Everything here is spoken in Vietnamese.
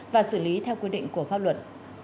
và xử lý theo quy định của pháp luật